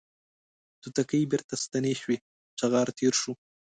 توتکۍ بیرته ستنې شوې چغار تیر شو